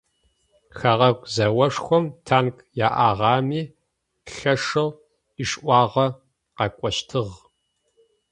Хэгъэгу зэошхом танк яӏагъэми лъэшэу ишӏуагъэ къэкӏощтыгъ.